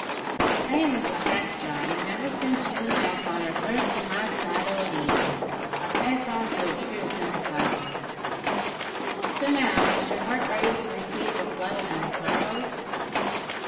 I am in distress, John, and ever since you and I fought our first and last battle at Eton, I have found you a true sympathiser. So now, is your heart ready to receive the flood of my sorrows?"